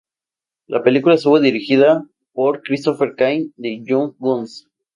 La película estuvo dirigida por Christopher Cain de "Young Guns".